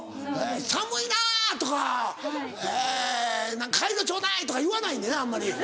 「寒いなぁ」とか「カイロちょうだい」とか言わないねんなあんまり。